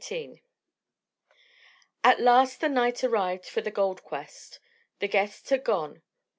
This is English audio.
XVIII At last the night arrived for the gold quest. The guests had gone.